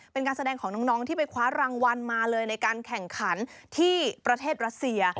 เป็นการแสดงของน้องที่ไปคว้ารางวัลมาเลยในการแข่งขันที่ประเทศรัสเซีย